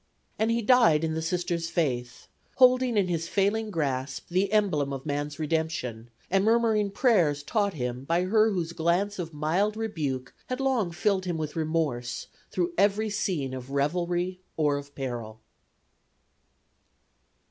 And he died in the Sister's faith, holding in his failing grasp the emblem of man's redemption, and murmuring prayers taught him by her whose glance of mild rebuke had long filled him with remorse through every scene of revelry or of peril.